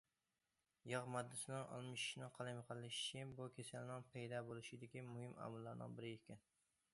ياغ ماددىسىنىڭ ئالمىشىشىنىڭ قالايمىقانلىشىشى بۇ كېسەلنىڭ پەيدا بولۇشىدىكى مۇھىم ئامىللارنىڭ بىرى ئىكەن.